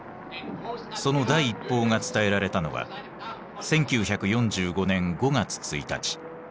その第一報が伝えられたのは１９４５年５月１日。